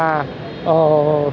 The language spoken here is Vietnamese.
cái robot đảo hầm